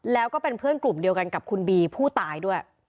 แล้วก็เป็นเพื่อนกลุ่มเดียวกันกับคุณบีผู้ตายด้วย